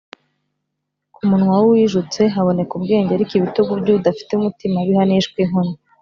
ku munwa w’ujijutse haboneka ubwenge, ariko ibitugu by’udafite umutima bihanishwa inkoni